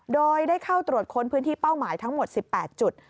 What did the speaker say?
โดยได้เข้าตรวจค้นพื้นที่เป้าหมายทั้งหมด๑๘จุด